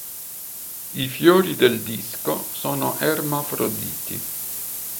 I fiori del disco sono ermafroditi.